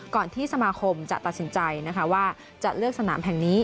ที่สมาคมจะตัดสินใจนะคะว่าจะเลือกสนามแห่งนี้